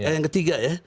yang ketiga ya